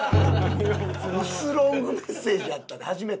薄ロングメッセージやったで初めての。